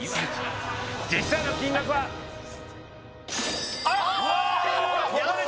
実際の金額はあっ安い！